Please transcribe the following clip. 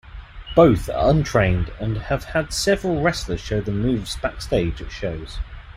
Both are untrained and have had several wrestlers show them moves backstage at shows.